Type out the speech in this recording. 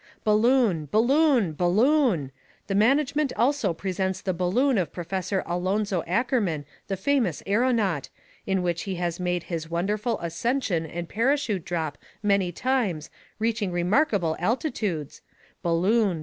Balloon! Balloon!! Balloon!!! The management also presents the balloon of Prof. Alonzo Ackerman The Famous Aeronaut in which he has made his Wonderful Ascension and Parachute Drop many times, reaching remarkable altitudes Balloon!